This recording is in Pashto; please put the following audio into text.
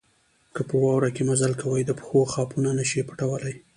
که په واوره کې مزل کوئ د پښو خاپونه نه شئ پټولای.